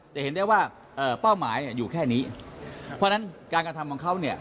จะเห็นได้ว่าเป้าหมายอยู่แค่นี้เพราะฉะนั้นการกระทำของเขาเนี่ย